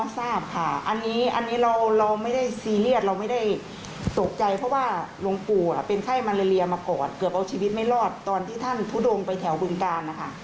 ท่านเลยว่าชีวิตไม่รอดตอนที่ท่านทุดงไปแถวบึงตา